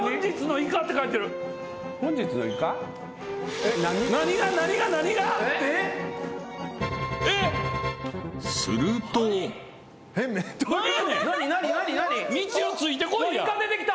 イカ出てきた。